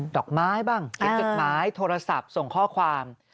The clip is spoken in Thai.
ดอกไม้บ้างเย็นดอกไม้โทรศัพท์ส่งข้อความ